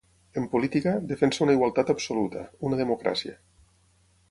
En política, defensa una igualtat absoluta: una democràcia.